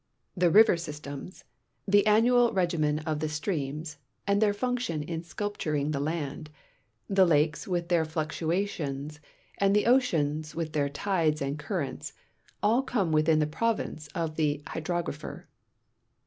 The river systems, the annual regimen of the streams and their function in sculpturing the land, the lakes with their fluctuations, and the oceans with their tides and currents, all come within the province of the hydrographer.